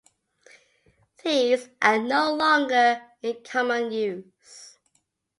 These are no longer in common use.